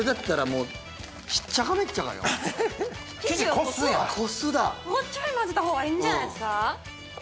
もうちょい混ぜたほうがいいんじゃないですか？